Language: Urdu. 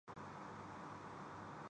مسئلہ حل ہوا ہے۔